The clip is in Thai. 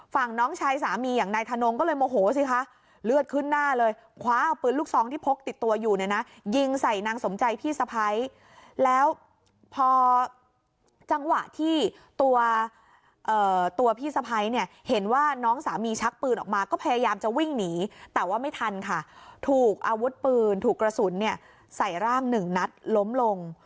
น้องชายสามีอย่างนายธนงก็เลยโมโหสิคะเลือดขึ้นหน้าเลยคว้าเอาปืนลูกซองที่พกติดตัวอยู่เนี่ยนะยิงใส่นางสมใจพี่สะพ้ายแล้วพอจังหวะที่ตัวพี่สะพ้ายเนี่ยเห็นว่าน้องสามีชักปืนออกมาก็พยายามจะวิ่งหนีแต่ว่าไม่ทันค่ะถูกอาวุธปืนถูกกระสุนเนี่ยใส่ร่างหนึ่งนัดล้มลง